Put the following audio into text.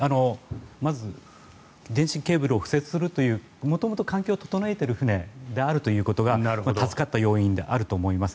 まず電信ケーブルを敷設するという環境を整えている船であるというのが助かった要因であると思います。